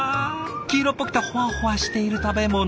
黄色っぽくてほわほわしている食べ物。